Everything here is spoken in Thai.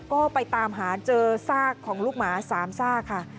ก็ไปตามหาเจอซากของลูกหมา๓ซากค่ะ